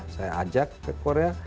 saya ajak ke korea